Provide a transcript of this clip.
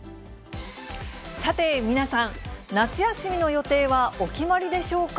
さて、皆さん、夏休みの予定はお決まりでしょうか。